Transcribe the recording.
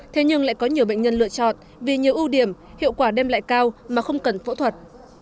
thế nhưng lại có nhiều bệnh nhân lựa chọn vì nhiều ưu điểm hiệu quả đem lại cao mà không cần phẫu thuật